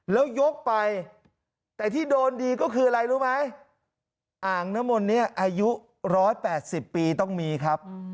แล้วยกไปแต่ที่โดนดีก็คืออะไรรู้ไหมอ่างน้ำมนต์นี้อายุ๑๘๐ปีต้องมีครับ